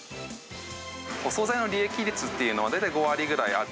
お総菜の利益率っていうのは、大体５割ぐらいある。